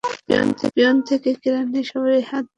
Peon থেকে কেরানী, সবাই হাত পেতে থাকে।